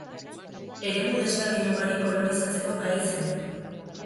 Eremu desberdin ugari kolonizatzeko gai zen.